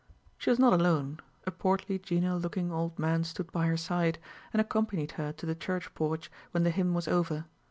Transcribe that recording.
She was not alone: a portly genial looking old man stood by her side, and accompanied her to the church porch when the hymn was over.